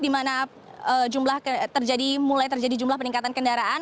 dimana mulai terjadi jumlah peningkatan kesehatan